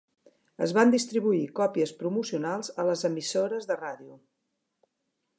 Es van distribuir còpies promocionals a les emissores de ràdio.